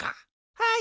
はい。